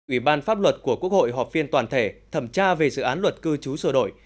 ủy ban pháp luật của quốc hội họp phiên toàn thể thẩm tra về dự án luật cư trú sửa đổi